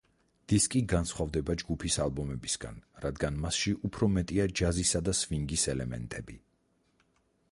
დისკი განსხვავდება ჯგუფის ალბომებისგან, რადგან მასში უფრო მეტია ჯაზისა და სვინგის ელემენტები.